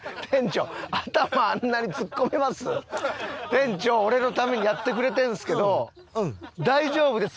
店長俺のためにやってくれてるんですけど大丈夫です。